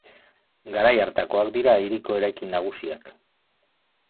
Garai hartakoak dira hiriko eraikin nagusiak.